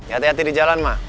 hati hati di jalan mah